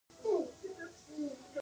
ایا ستاسو مجلس له انوارو ډک دی؟